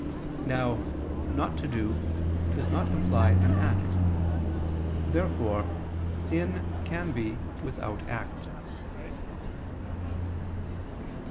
Now "not to do" does not imply an act. Therefore sin can be without act.